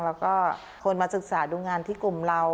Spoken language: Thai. แล้วก็คนมาศึกษาดูงานที่กลุ่มเรา